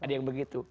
ada yang begitu